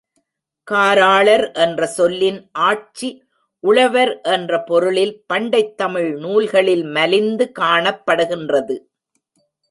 காராளர் என்ற சொல்லின் ஆட்சி உழவர் என்ற பொருளில் பண்டைத் தமிழ் நூல்களில் மலிந்து காணப்படுகின்றது.